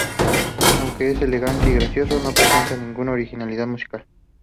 Aunque es elegante y gracioso, no presenta ninguna originalidad musical.